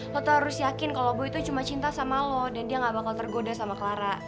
lo tuh harus yakin kalau gue itu cuma cinta sama lo dan dia gak bakal tergoda sama clara